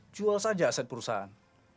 jual saja aset perusahaan